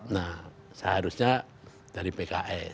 nah seharusnya dari pks